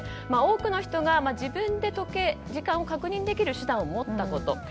多くの人が自分で時間を確認できる手段を持ったこと。